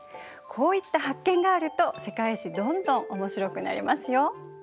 こういった発見があると「世界史」どんどんおもしろくなりますよ。